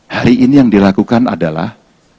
hari ini yang dilakukan adalah